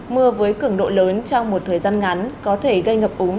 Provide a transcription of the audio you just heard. mưa với cường độ lớn trong một thời gian ngắn có thể gây ngập úng